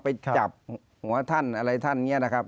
ไปจับหัวท่านอะไรท่านอย่างนี้นะครับ